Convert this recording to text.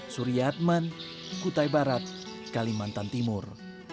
surya adman kutai barat kalimantan timur